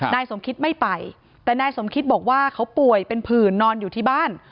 นายสมคิตไม่ไปแต่นายสมคิตบอกว่าเขาป่วยเป็นผื่นนอนอยู่ที่บ้าน